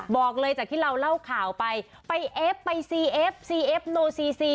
บอกเลยจากที่เราเล่าข่าวไปไปเอฟไปซีเอฟซีเอฟโนซีซี